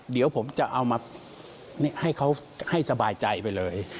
เดี๋ยวผมจะเอามาให้เขาให้สบายใจไปเลย